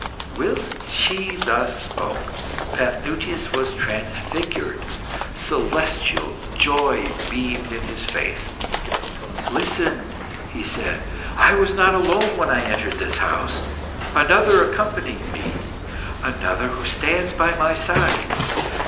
Whilst she thus spoke, Paphnutius was transfigured; celestial joy beamed in his face. "Listen!" he said. "I was not alone when I entered this house. Another accompanied me, another who stands by my side.